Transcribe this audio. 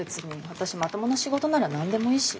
私まともな仕事なら何でもいいし。